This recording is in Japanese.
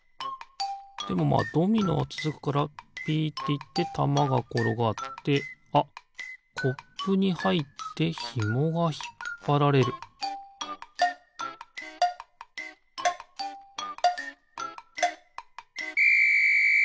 でもまあドミノはつづくからピッていってたまがころがってあっコップにはいってひもがひっぱられるピッ！